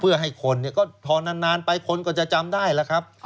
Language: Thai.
เพื่อให้คนก็ทอนานไปคนก็จะจำได้แล้วครับ